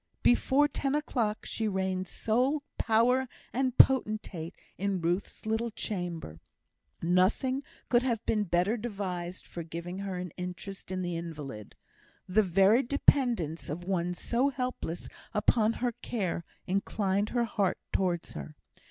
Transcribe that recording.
Before ten o'clock she reigned sole power and potentate in Ruth's little chamber. Nothing could have been better devised for giving her an interest in the invalid. The very dependence of one so helpless upon her care inclined her heart towards her.